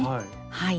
はい。